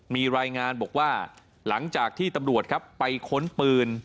มีรายงานบอกว่าหลังจากที่ตำรวจครับไปค้นปืน